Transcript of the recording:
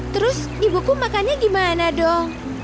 terus ibuku makannya gimana dong